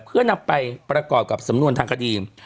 เพื่อนำไปประกอบกับสำนวนทางคดี